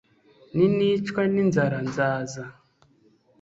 ninicwa n'inzara, nzaza